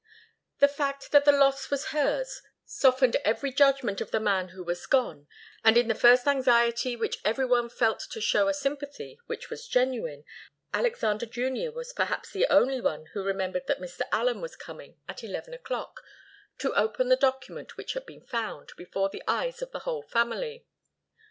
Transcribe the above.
The fact that the loss was hers softened every judgment of the man who was gone, and in the first anxiety which every one felt to show a sympathy which was genuine, Alexander Junior was perhaps the only one who remembered that Mr. Allen was coming at eleven o'clock to open the document which had been found, before the eyes of the whole family.